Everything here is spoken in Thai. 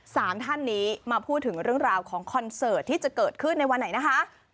สามท่านนี้มาพูดถึงเรื่องราวของคอนเสิร์ตที่จะเกิดขึ้นในวันไหนนะคะ